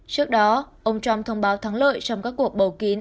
trước đó ông trump thông báo thắng lợi trong các cuộc bầu kín